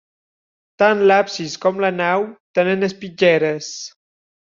Tant l'absis com la nau tenen espitlleres.